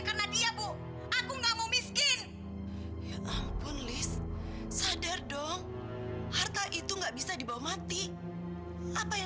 sampai jumpa di video selanjutnya